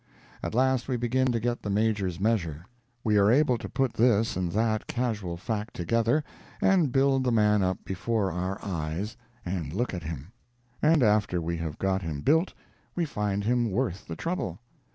At last we begin to get the Major's measure. We are able to put this and that casual fact together, and build the man up before our eyes, and look at him. And after we have got him built, we find him worth the trouble.